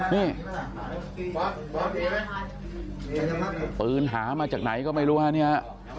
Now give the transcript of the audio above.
นี่ปืนหามาจากไหนก็ไม่รู้ฮะเนี่ย